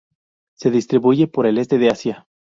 Se distribuye por el este de Asia.